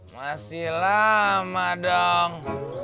masih lama dong